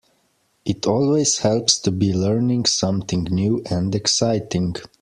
It always helps to be learning something new and exciting.